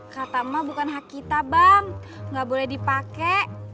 kata mak bukan hak kita bang gak boleh dipake